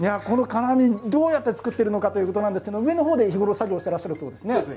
この金網どうやって作ってるのかということなんですけど上の方で日頃作業してらっしゃるそうですね。